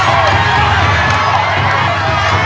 สวัสดีครับ